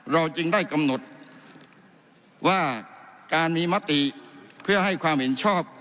เราจึงได้กำหนดว่าการมีมติเพื่อให้ความเห็นชอบ